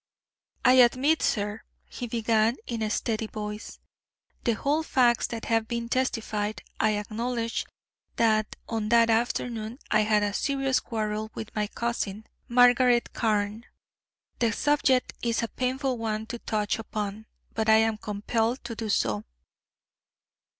"I admit, sir," he began in a steady voice, "the whole facts that have been testified. I acknowledge that on that afternoon I had a serious quarrel with my cousin, Margaret Carne. The subject is a painful one to touch upon, but I am compelled to do so.